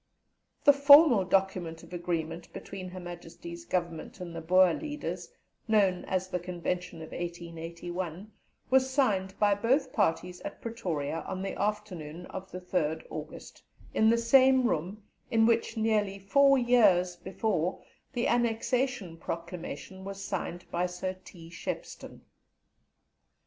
The formal document of agreement between Her Majesty's Government and the Boer leaders, known as the Convention of 1881, was signed by both parties at Pretoria on the afternoon of the 3rd August, in the same room in which, nearly four years before, the Annexation Proclamation was signed by Sir T. Shepstone.